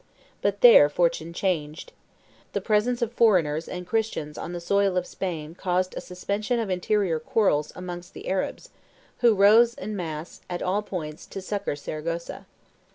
But there fortune changed. The presence of foreigners and Christians on the soil of Spain caused a suspension of interior quarrels amongst the Arabs, who rose in mass, at all points, to succor Saragossa.